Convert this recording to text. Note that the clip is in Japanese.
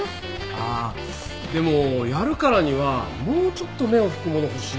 あっでもやるからにはもうちょっと目を引くもの欲しいなあ。